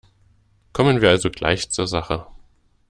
Kommen wir also gleich zur Sache.